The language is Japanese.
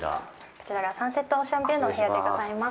こちらがサンセットオーシャンビューのお部屋でございます。